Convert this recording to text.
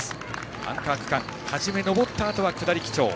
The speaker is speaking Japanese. アンカー区間はじめ上ったあと下り基調。